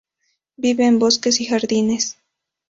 Vive en bosques y jardines.